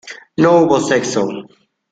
no hubo sexo.